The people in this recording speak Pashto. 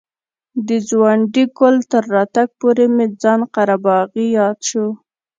د ځونډي ګل تر راتګ پورې مې خان قره باغي یاد شو.